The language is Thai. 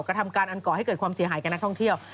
กระทำการอันก่อให้เกิดความเสียหายกับนักท่องเที่ยว